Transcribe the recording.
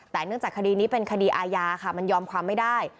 แต่เนื่องจากคดีนี้เป็นคดีอาญาค่ะมันยอมความไม่ได้